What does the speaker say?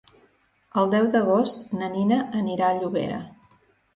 El deu d'agost na Nina anirà a Llobera.